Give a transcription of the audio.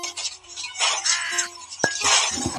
د مخ او ورغوو لوڅول کله مباح دي؟